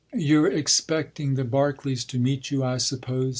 “You’re expecting the Barkleys to meet you, I suppose?